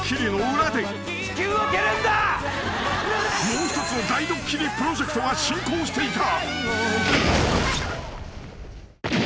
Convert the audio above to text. ［もう一つの大ドッキリプロジェクトが進行していた］